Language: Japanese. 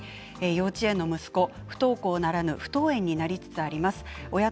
幼稚園の息子を不登校ならぬ不登園になりつつあります。